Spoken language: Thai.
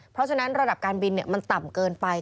เพราะฉะนั้นระดับการบินมันต่ำเกินไป